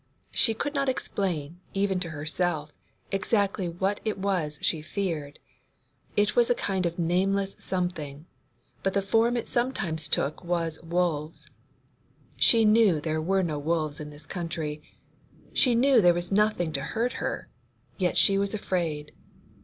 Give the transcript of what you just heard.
She could not explain, even to herself, exactly what it was she feared; it was a kind of nameless something, but the form it sometimes took was 'wolves.' She knew there were no wolves in this country, she knew there was nothing to hurt her—yet she was afraid.